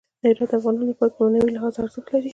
هرات د افغانانو لپاره په معنوي لحاظ ارزښت لري.